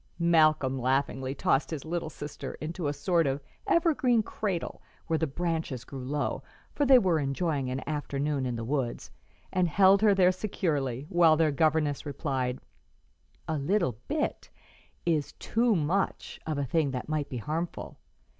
Malcolm laughingly tossed his little sister into a sort of evergreen cradle where the branches grew low for they were enjoying an afternoon in the woods and held her there securely, while their governess replied, "'A little bit' is too much of a thing that might be harmful.